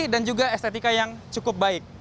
dan juga estetika yang cukup baik